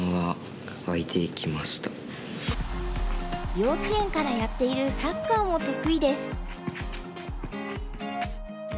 幼稚園からやっているサッカーも得意です。